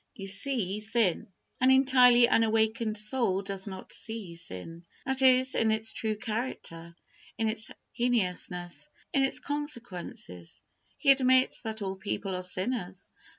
You see sin. An entirely unawakened soul does not see sin; that is, in its true character, in its heinousness, in its consequences. He admits that all people are sinners.